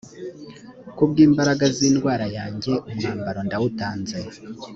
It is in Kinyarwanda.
ku bw imbaraga z indwara yanjye umwambaro ndawutanze